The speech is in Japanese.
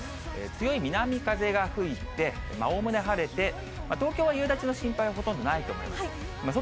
強い南風が吹いて、おおむね晴れて、東京は夕立の心配はほとんどないと思います。